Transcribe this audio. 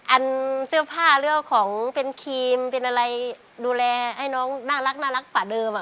อันเจื้อผ้าเลือกของเป็นครีมดูแลให้น้องน่ารักกว่าเดิม